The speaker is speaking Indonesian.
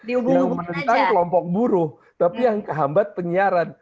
yang menentang kelompok buruh tapi yang kehambat penyiaran